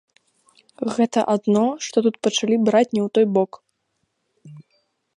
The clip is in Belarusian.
Гэта адно што тут пачалі браць не ў той бок.